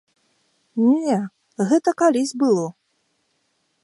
Не, гэта калісь было.